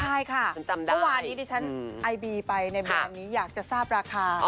ใช่ค่ะเมื่อวานนี้ดิฉันไอบีไปในแบรนด์นี้อยากจะทราบราคา